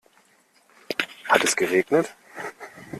Hat es geregnet?